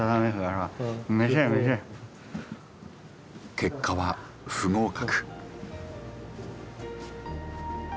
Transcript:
結果は不合格。